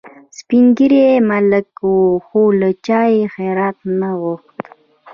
سپین ږیری ملنګ و خو له چا یې خیرات نه غوښت.